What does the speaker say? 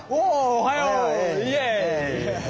おはよう！